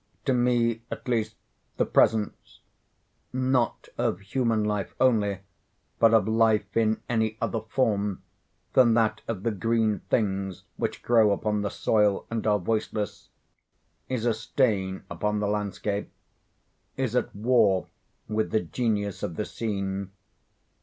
To me, at least, the presence—not of human life only, but of life in any other form than that of the green things which grow upon the soil and are voiceless—is a stain upon the landscape—is at war with the genius of the scene.